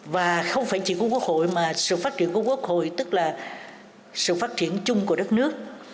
và không phải chỉ của quốc hội mà sự phát triển của quốc hội tức là sự phát triển chung của đất nước